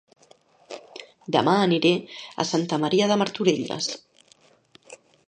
Dema aniré a Santa Maria de Martorelles